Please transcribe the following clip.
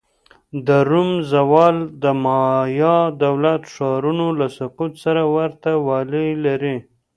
د روم زوال د مایا دولت ښارونو له سقوط سره ورته والی لري.